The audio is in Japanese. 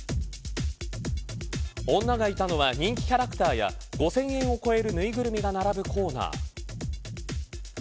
女がいたのは人気キャラクターや５０００円を超えるぬいぐるみが並ぶコーナー。